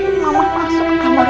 setiap hari mama lihat kamu lagi